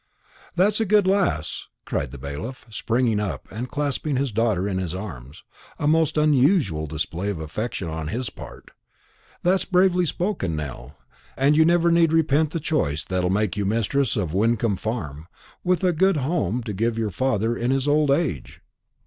"That's a good lass," cried the bailiff, springing up and clasping his daughter in his arms, a most unusual display of affection on his part; "that's bravely spoken, Nell, and you never need repent the choice that'll make you mistress of Wyncomb Farm, with a good home to give your father in his old age."